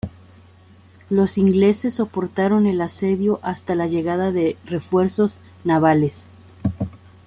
Los ingleses soportaron el asedio hasta la llegada de refuerzos navales.